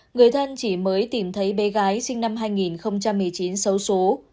người thân chỉ mới tìm thấy bé gái sinh năm hai nghìn một mươi chín xấu xố